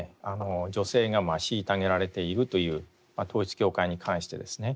女性が虐げられているという統一教会に関してですね